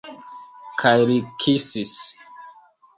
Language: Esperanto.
Kaj li kisis.